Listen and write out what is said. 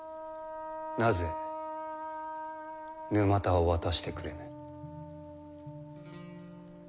なぜ沼田を渡してくれぬ？